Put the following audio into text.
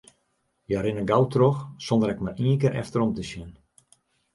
Hja rinne gau troch, sonder ek mar ien kear efterom te sjen.